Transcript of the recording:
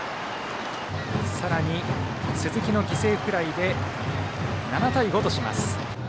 さらに鈴木の犠牲フライで７対５とします。